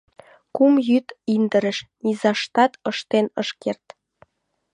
Кум йӱд индырыш — низаштат ыштен ыш керт.